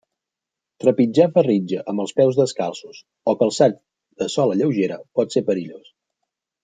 Trepitjar ferritja amb els peus descalços o calçat de sola lleugera pot ser perillós.